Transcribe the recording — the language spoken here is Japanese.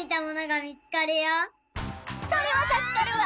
それはたすかるわ！